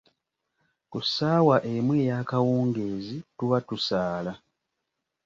Ku ssaawa emu ey’akawungeezi tuba tusaala.